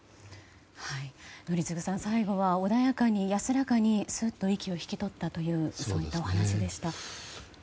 宜嗣さん最期は穏やかに安らかにスーッと息を引き取ったというお話でした。